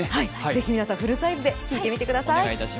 ぜひ皆さんフルサイズで聴いてみてください。